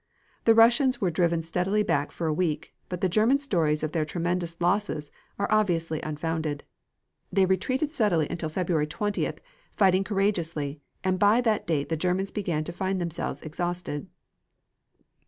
The Russians were driven steadily back for a week, but the German stories of their tremendous losses are obviously unfounded. They retreated steadily until February 20th, fighting courageously, and by that date the Germans began to find themselves exhausted.